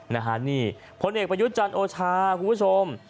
น่ะฮะนี่ผลเอกไปยุดจันทร์โอชาคุณผู้ชม